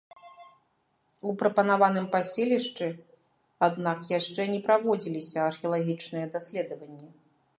У прапанаваным паселішчы, аднак, яшчэ не праводзіліся археалагічныя даследаванні.